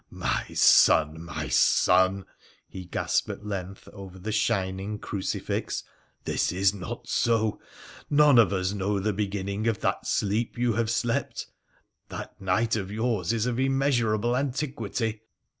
' My son, my son !' he gasped at length, over the shining F 66 WONDERFUL ADVENTURES OF crucifix, ' this is not so ; none of us know the beginning cf that sleep you have slept ; that night of yours is of immea surable antiquity.